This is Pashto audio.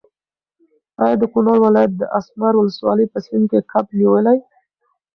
ایا د کونړ ولایت د اسمار ولسوالۍ په سیند کې کب نیولی؟